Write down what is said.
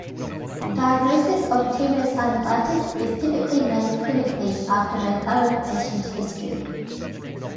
Diagnosis of tenosynovitis is typically made clinically after a thorough patient history.